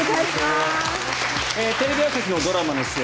テレビ朝日のドラマの主演